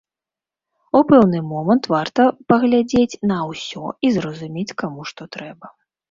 У пэўны момант варта паглядзець на ўсё і зразумець, каму што трэба.